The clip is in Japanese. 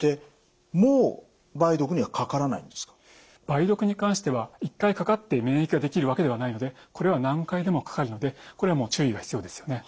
梅毒に関しては１回かかって免疫ができるわけではないのでこれは何回でもかかるのでこれは注意が必要ですよね。